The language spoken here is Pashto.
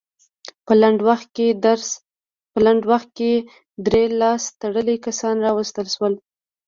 په لنډ وخت کې درې لاس تړلي کسان راوستل شول.